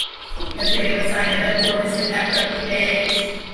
No treaty was signed, and the war resumed after a few days.